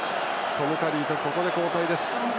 トム・カリーと交代です。